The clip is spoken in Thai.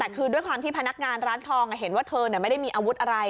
แต่คือด้วยความที่พนักงานร้านทองเห็นว่าเธอไม่ได้มีอาวุธอะไร